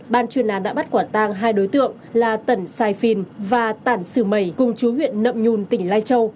ban chuyên án đã bắt quả tang hai đối tượng là tần sai phin và tản sử mầy cùng chú huyện đậm nhùn tỉnh lai châu